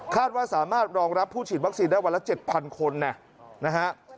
ว่าสามารถรองรับผู้ฉีดวัคซีนได้วันละ๗๐๐คนนะฮะ